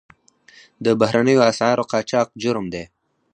د بهرنیو اسعارو قاچاق جرم دی